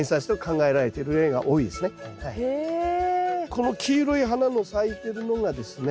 この黄色い花の咲いてるのがですね